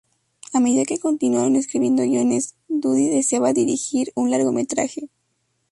A medida que continuaron escribiendo guiones, Dudi deseaba dirigir un largometraje.